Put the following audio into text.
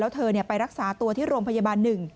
เธอไปรักษาตัวที่โรงพยาบาล๑